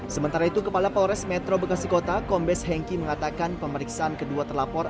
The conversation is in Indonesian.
sementara itu kepala polres metro bekasi kota kombes hengki mengatakan pemeriksaan kedua terlapor